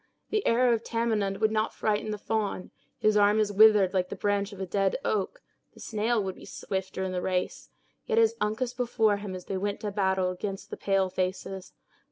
The arrow of Tamenund would not frighten the fawn; his arm is withered like the branch of a dead oak; the snail would be swifter in the race; yet is Uncas before him as they went to battle against the pale faces!